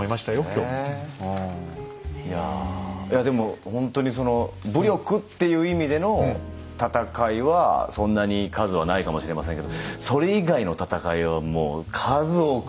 いやいやでもほんとに武力っていう意味での戦いはそんなに数はないかもしれませんけどそれ以外の戦いはもう数多く。